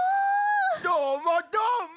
どーもどーも！